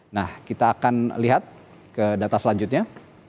nah kita akan lihat ke data selanjutnya